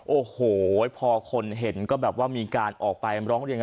โอ้โหพอคนเห็นมีการเองร้องเรียง